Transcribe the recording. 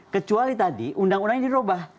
kecuali tadi undang undang ini diubah